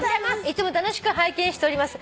いつも楽しく拝見しております」